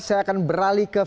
saya akan beralih ke